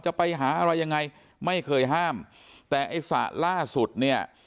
จะไปหาอะไรยังไงไม่เคยห้ามแต่ไอ้สระล่าสุดเนี่ย